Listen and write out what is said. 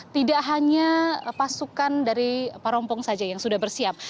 tidak hanya pasukan dari parompong saja yang sudah bersiap